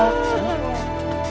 pak rt pak rt